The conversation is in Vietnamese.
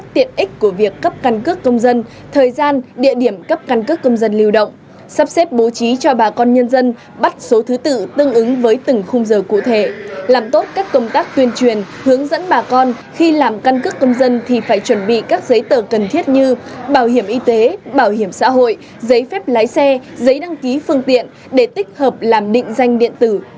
tập xếp bố trí cho bà con nhân dân bắt số thứ tự tương ứng với từng khung giờ cụ thể làm tốt các công tác tuyên truyền hướng dẫn bà con khi làm căn cứ công dân thì phải chuẩn bị các giấy tờ cần thiết như bảo hiểm y tế bảo hiểm xã hội giấy phép lái xe giấy đăng ký phương tiện để tích hợp làm định danh điện tử